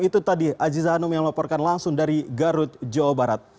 itu tadi aziza hanum yang melaporkan langsung dari garut jawa barat